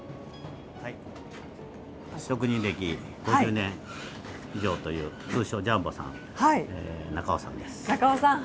職人歴５０年以上という通称ジャンボさん。